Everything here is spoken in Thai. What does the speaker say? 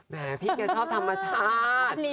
แม่พี่แกชอบธรรมชาติ